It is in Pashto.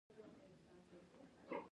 بګۍ د یوه غټ هوټل په داخلي دروازه ورننوتل.